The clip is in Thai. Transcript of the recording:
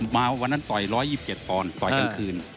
มาวันนั้นต่อย๑๒๗ปอนด์ต่อยกลางคืน